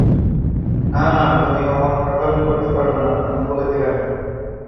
না না, তুমি অমন পাগলামি করতে পারবে না, আমি বলে দিলেম।